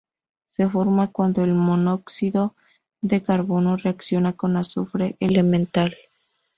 Se forma cuando el monóxido de carbono reacciona con azufre elemental.